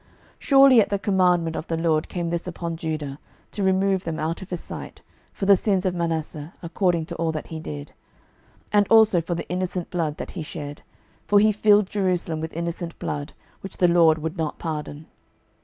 12:024:003 Surely at the commandment of the LORD came this upon Judah, to remove them out of his sight, for the sins of Manasseh, according to all that he did; 12:024:004 And also for the innocent blood that he shed: for he filled Jerusalem with innocent blood; which the LORD would not pardon.